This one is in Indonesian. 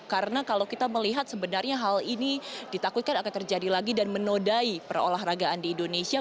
karena kalau kita melihat sebenarnya hal ini ditakutkan akan terjadi lagi dan menodai perolahragaan di indonesia